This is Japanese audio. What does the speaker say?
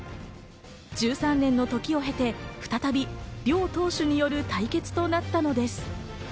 １３年の時を経て、再び両投手による対決となったのです。